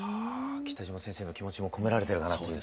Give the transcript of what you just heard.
北島先生の気持ちも込められてるかなという。